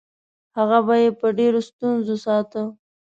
هغه به یې په ډېرو ستونزو ساته.